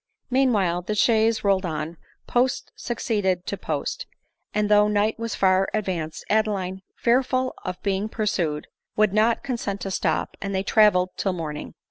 Meanwhile the chaise rolled on — post succeeded to post ; and though night was far advanced, Adeline, fear ful of being pursued, would not consent to stop, and they travelled till morning.